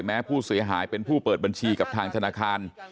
แม้ผู้เสียหายเป็นผู้เปิดบัญชีกับทางธนาคาร